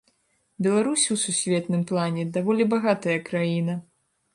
Беларусь у сусветным плане даволі багатая краіна.